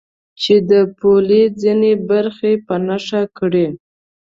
چې د پولې ځینې برخې په نښه کړي.